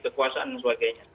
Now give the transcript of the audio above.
kekuasaan dan sebagainya